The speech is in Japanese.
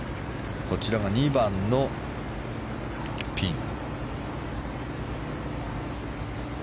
こちらが２番のピン。